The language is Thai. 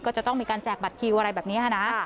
ก็จะต้องมีการแจกบัตรคิวอะไรแบบนี้นะ